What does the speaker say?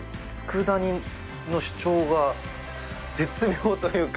佃煮の主張が絶妙というか。